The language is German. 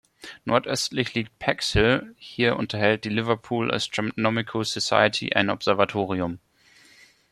Nordöstlich liegt Pex Hill, hier unterhält die Liverpool Astronomical Society ein Observatorium.